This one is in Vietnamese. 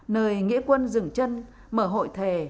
nơi nghĩa quân dừng chân mở hội thề